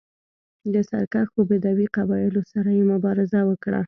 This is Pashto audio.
له سرکښو بدوي قبایلو سره یې مبارزه وکړه.